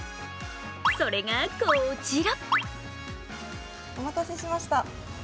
それがこちら。